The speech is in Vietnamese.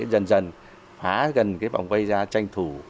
dần dần phá gần vòng vây ra tranh thủ